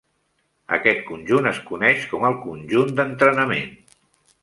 Aquest conjunt es coneix com el conjunt d'entrenament.